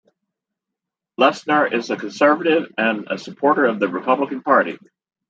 Lesnar is a conservative and a supporter of the Republican Party.